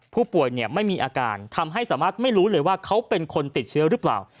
ผู้ป่วยไม่มีอาการทำให้สามารถไม่รู้เลยว่าเขาเป็นคนติดเชื้อหรือเปล่า